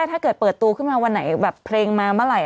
ถ้าเกิดเปิดตูอีกเข้ามาวันไหนแบบเพลงมะไหล่